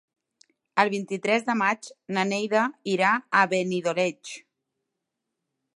El vint-i-tres de maig na Neida irà a Benidoleig.